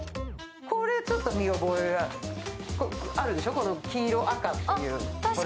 これちょっと見覚えあるでしょ、この黄色、赤っていう。